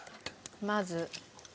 まず。